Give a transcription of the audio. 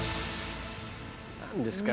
何ですか？